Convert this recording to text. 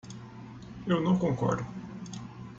Eu não concordo.